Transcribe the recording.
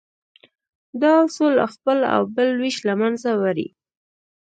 دا اصول خپل او بل وېش له منځه وړي.